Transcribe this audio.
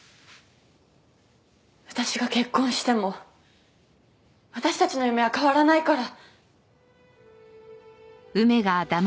私が結婚しても私たちの夢は変わらないから。